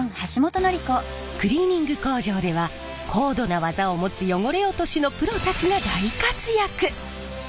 クリーニング工場では高度な技を持つ汚れ落としのプロたちが大活躍！